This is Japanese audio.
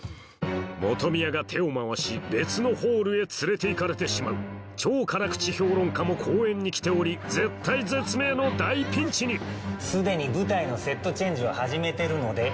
本宮が手を回し別のホールへ連れて行かれてしまう超辛口評論家も公演に来ており絶体絶命の大ピンチに既に舞台のセットチェンジを始めてるので。